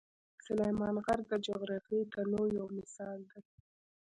سلیمان غر د جغرافیوي تنوع یو مثال دی.